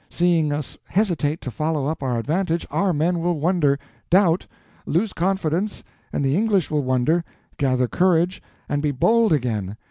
Seeing us hesitate to follow up our advantage, our men will wonder, doubt, lose confidence, and the English will wonder, gather courage, and be bold again.